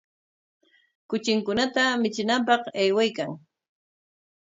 Kuchinkunata michinanpaq aywaykan.